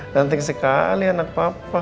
cantik sekali anak papa